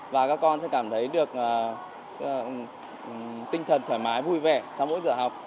và các con sẽ cảm thấy được tinh thần thoải mái vui vẻ sau mỗi giờ học